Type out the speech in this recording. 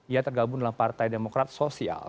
ia tergabung dalam partai demokrat sosial